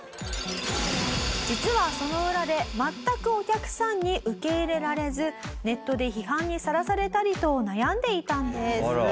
実はその裏で全くお客さんに受け入れられずネットで批判にさらされたりと悩んでいたんです。